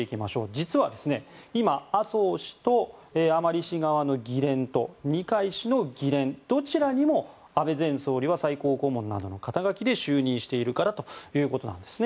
実は、今麻生氏と甘利氏側の議連と二階氏の議連どちらにも安倍前総理は最高顧問などの肩書で就任しているからということなんですね。